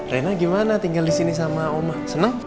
rena gimana tinggal di sini sama omah senang